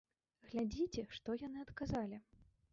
Глядзіце, што яны адказалі!